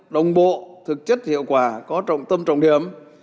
đồng bộ thực chất hiệu quả có trọng tâm trọng điểm